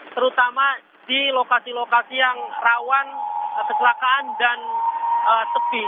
terutama di lokasi lokasi yang rawan kecelakaan dan sepi